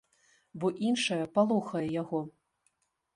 Бо іншае палохае яго.